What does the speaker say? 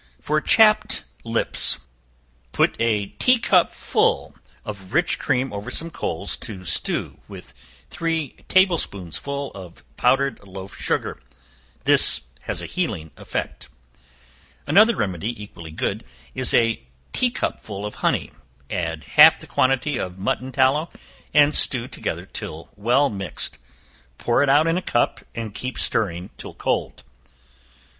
For Chapped Lips. Put a tea cupful of rich cream over some coals to stew with three table spoonsful of powdered loaf sugar. This has a healing effect. Another remedy, equally good, is to a tea cupful of honey, add half the quantity of mutton tallow, and stew together till well mixed; pour it out in a cup, and keep stirring till cold.